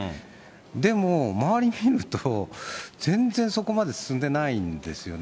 でも周り見ると、全然そこまで進んでないんですよね。